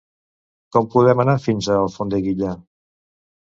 Com podem anar fins a Alfondeguilla?